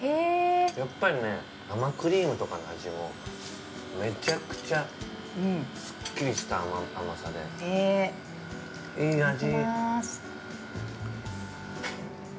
やっぱりね、生クリームとかの味もめちゃくちゃすっきりした甘さで。いい味。